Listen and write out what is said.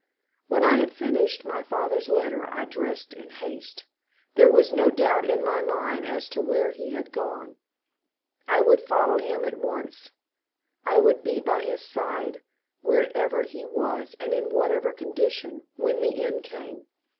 When I had finished my father's letter I dressed in haste. There was no doubt in my mind as to where he had gone. I would follow him at once. I would be by his side wherever he was and in whatever condition when the end came.